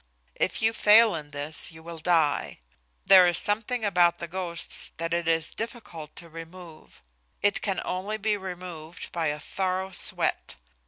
If you fail in this, you will die. There is something about the ghosts that it is difficult to remove. It can only be removed by a thorough sweat.